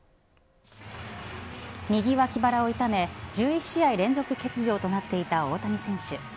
右脇腹を痛め１１試合連続欠場となっていた大谷選手。